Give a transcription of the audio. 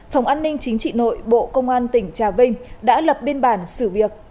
phòng an ninh chính trị nội bộ công an tỉnh trà vinh đã lập biên bản xử việc